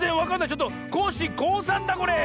ちょっとコッシーこうさんだこれ！